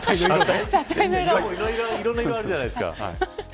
いろんな色があるじゃないですか。